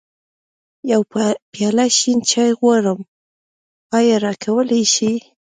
يوه پياله شين چای غواړم، ايا راکولی يې شې؟